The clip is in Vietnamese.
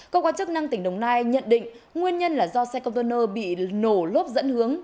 công an chức năng tỉnh đồng nai nhận định nguyên nhân là do xe công tôn nơ bị nổ lốp dẫn hướng